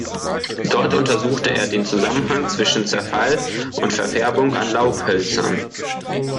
Dort untersuchte er den Zusammenhang zwischen Zerfall und Verfärbung an Laubhölzern.